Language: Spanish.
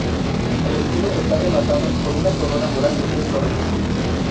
El escudo está rematado con una corona mural de tres torres.